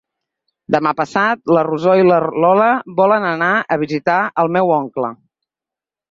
Demà passat na Rosó i na Lola volen anar a visitar mon oncle.